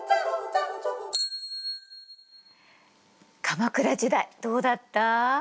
鎌倉時代どうだった？